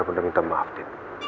aku pun tak minta maaf tim